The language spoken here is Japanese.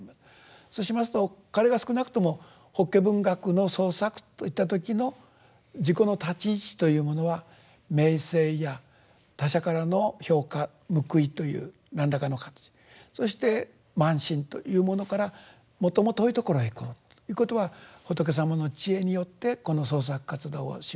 そうしますと彼が少なくとも「法華文学ノ創作」といった時の自己の立ち位置というものは名声や他者からの評価報いという何らかの形そして慢心というものから最も遠いところへ行こうということは仏様の知恵によってこの創作活動をしましょうと。